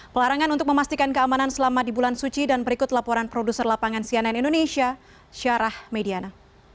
pelarangan untuk memastikan keamanan selama di bulan suci dan berikut laporan produser lapangan cnn indonesia syarah mediana